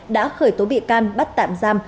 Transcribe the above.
đã khởi tố bị can bắt tạm giam